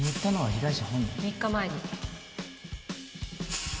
３日前に。